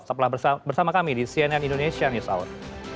setelah bersama kami di cnn indonesia news hour